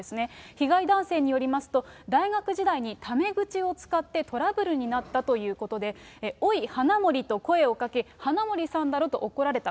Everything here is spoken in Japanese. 被害男性によりますと、大学時代にタメ口を使ってトラブルになったということで、おい、花森と声をかけ、花森さんだろと怒られた。